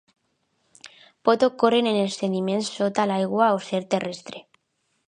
Pot ocórrer en els sediments sota l'aigua o ser terrestre.